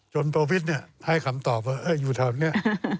โปรวิทย์ให้คำตอบว่าอยู่แถวนี้